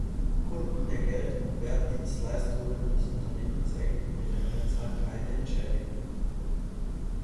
Kunden der Geld- und Wert-Dienstleistungen des Unternehmens erhielten in der Mehrzahl keine Entschädigung.